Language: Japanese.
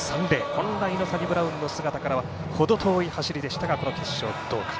本来のサニブラウンの姿からは程遠い走りでしたがこの決勝、どうか。